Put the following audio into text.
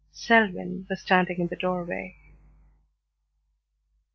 Selwyn was standing in the doorway.